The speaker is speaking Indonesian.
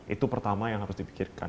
itu pertama yang harus dipikirkan